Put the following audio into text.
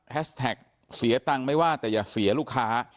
แท็กเสียตังค์ไม่ว่าแต่อย่าเสียลูกค้า